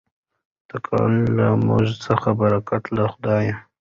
تکل له موږ څخه برکت له خدایه.